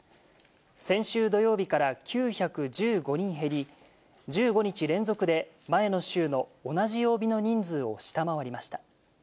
先週土曜日から９１５人減り、１５日連続で前の週の同じ曜日の人数を下回りました。